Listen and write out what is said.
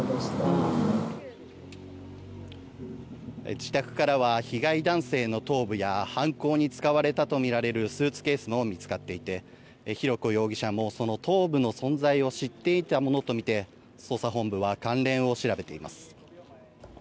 自宅からは被害男性の頭部や犯行に使われたとみられるスーツケースも見つかっていて浩子容疑者もその頭部の存在を知っていたものとみて捜査本部は関連を調べています。